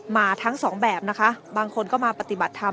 มาทั้งสองแบบนะคะบางคนก็มาปฏิบัติธรรม